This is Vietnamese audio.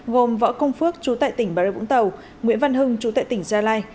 gồm võ công phước chú tại tỉnh bà rê vũng tàu nguyễn văn hưng chú tại tỉnh gia lai